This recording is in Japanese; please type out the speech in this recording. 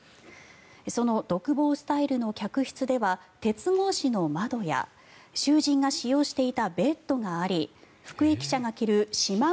その独房スタイルの客室では鉄格子の窓や囚人が使用していたベッドがあり服役囚が着るしま